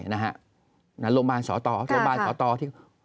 โรงพยาบาลสตโรงพยาบาลสตที่